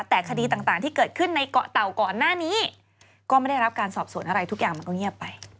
แต่คดีต่างที่เกิดขึ้นในเกาะเต่าก่อนหน้านี้ก็ไม่ได้รับการสอบสวนอะไรทุกอย่างมันก็เงียบไป